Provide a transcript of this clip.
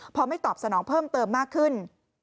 พอไม่ตอบสนองเพิ่มเติมมากขึ้น